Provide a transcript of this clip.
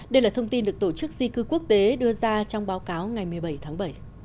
đây là thông tin được tổ chức di cư quốc tế đưa ra trong báo cáo ngày một mươi bảy tháng bảy